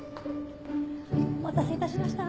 お待たせ致しました。